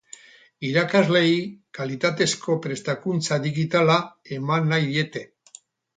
Irakasleei kalitatezko prestakuntza digitala eman nahi diete.